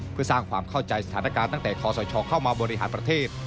เพื่อสร้างความเข้าใจสถานการณ์ตั้งแต่คอสชเข้ามาบริหารประเทศ